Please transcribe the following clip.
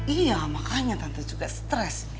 iya makanya tentu juga stres